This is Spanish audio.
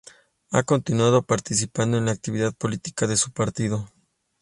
Ha continuado participando en la actividad política de su partido.